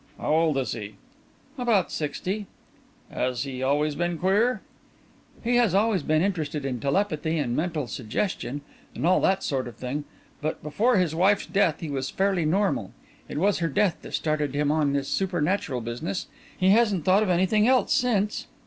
"How old is he?" "About sixty." "Has he always been queer?" "He has always been interested in telepathy and mental suggestion, and all that sort of thing. But before his wife's death, he was fairly normal. It was her death that started him on this supernatural business. He hasn't thought of anything else since."